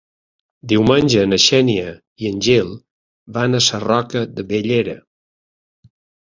Diumenge na Xènia i en Gil van a Sarroca de Bellera.